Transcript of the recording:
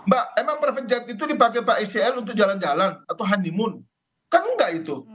mbak emang private jet itu dipakai pak scl untuk jalan jalan atau honeymoon kan enggak itu